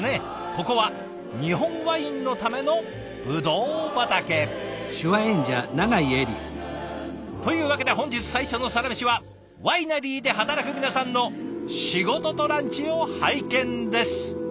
ここは日本ワインのためのブドウ畑。というわけで本日最初のサラメシはワイナリーで働く皆さんの仕事とランチを拝見です！